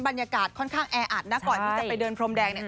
บรรยากาศค่อนข้างแออัดนะก่อนที่จะไปเดินพรมแดงเนี่ย